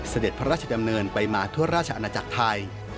เสด็จพระราชดำเนินไปมาทั่วราชอาณาจักรไทย